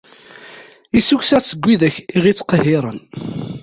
Issukkes-aɣ-d seg widak i aɣ-ittqehhiren.